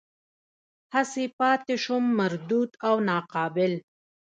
هسې پاتې شوم مردود او ناقابل.